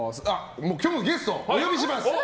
今日のゲストお呼びします。